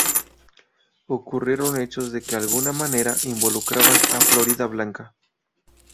Ocurrieron hechos que de alguna manera involucraban a Floridablanca.